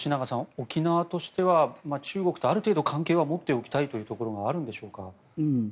沖縄としては中国とある程度関係を持っておきたいというところがあるんでしょうか。